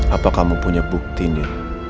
apa kamu punya buktinya